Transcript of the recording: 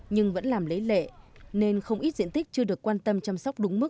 nhưng vẫn làm lấy lệ nên không ít diện tích chưa được quan tâm chăm sóc đúng mức